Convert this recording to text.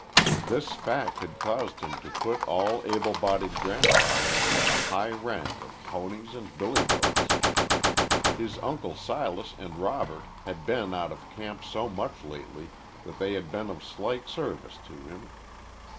This fact had caused him to put all able bodied grandfathers in the high rank of ponies and billy goats. His uncles Silas and Robert had been out of camp so much lately they had been of slight service to him.